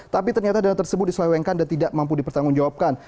tapi ternyata dana tersebut diselewengkan dan tidak mampu dipertanggungjawabkan